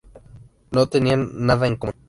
No tenían nada en común.